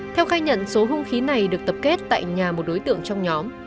theo khai nhận số hung khí này được tập kết tại nhà một đối tượng trong nhóm